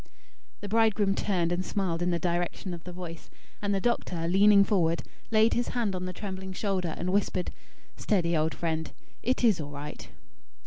The bridegroom turned and smiled in the direction of the voice; and the doctor, leaning forward, laid his hand on the trembling shoulder, and whispered: "Steady, old friend. It is all right."